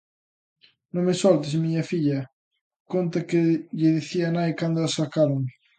"Non me soltes, miña filla", conta que lle dicía a nai cando as sacaron.